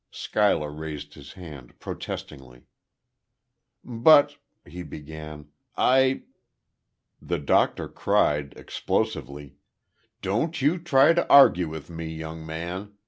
Schuyler raised his hand, protestingly. "But," he began, "I " The doctor cried, explosively: "Don't you try to argue with me, young man.